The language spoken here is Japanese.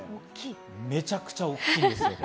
めちゃくちゃ大きいんです。